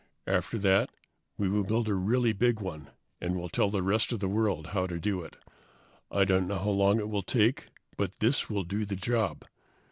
"After that, we will build a really big one, and we'll tell the rest of the world how to do it. I don't know how long it will take, but this will do the job.